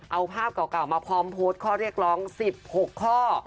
เอาภาพเก่ามาพร้อมโพสต์ข้อเรียกร้อง๑๖ข้อ